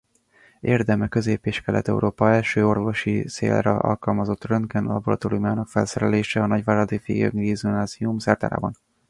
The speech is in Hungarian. Érdeme Közép- és Kelet-Európa első orvosi célra alkalmazott röntgen-laboratóriumának felszerelése a nagyváradi főgimnázium szertárában.